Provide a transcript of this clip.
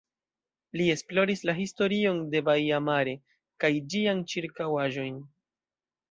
Li esploris la historion de baia Mare kaj ĝian ĉirkaŭaĵon.